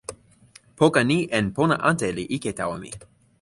poka ni en pona ante li ike tawa mi.